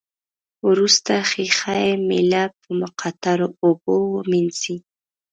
وروسته ښيښه یي میله په مقطرو اوبو ومینځئ.